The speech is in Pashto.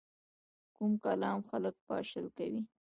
کوږ کلام خلک پاشل کوي